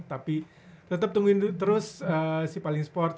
tapi tetap tungguin terus si paling sport